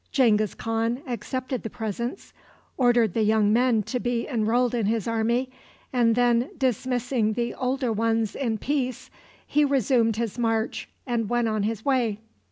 Genghis Khan accepted the presents, ordered the young men to be enrolled in his army, and then, dismissing the older ones in peace, he resumed his march and went on his way.